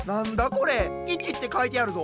これ「１」ってかいてあるぞ。